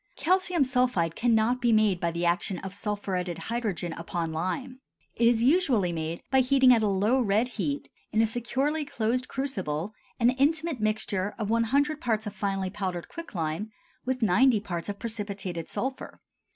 Calcium sulphide cannot be made by the action of sulphuretted hydrogen upon lime. It is usually made by heating at a low red heat, in a securely closed crucible, an intimate mixture of 100 parts of finely powdered quicklime with 90 parts of precipitated sulphur.